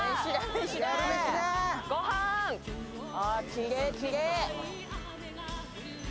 きれいきれい。